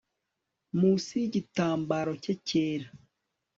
Munsi yigitambaro cye cyera